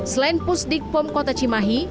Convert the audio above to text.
selain pusdik pom kota cimahi